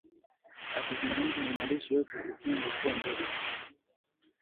akizungumza na mwandishi wetu upendo po ndovi